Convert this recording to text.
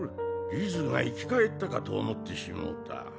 リズが生き返ったかと思ってしもうた。